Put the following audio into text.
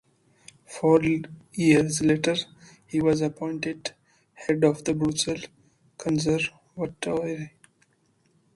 Four years later, he was appointed head of the Brussels Conservatoire.